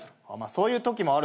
そういうときもね。